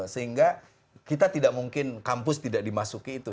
sehingga kita tidak mungkin kampus tidak dimasuki itu